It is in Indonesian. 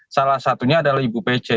salah satunya adalah ibu pece